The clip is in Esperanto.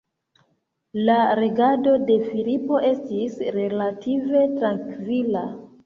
La regado de Filipo estis relative trankvila.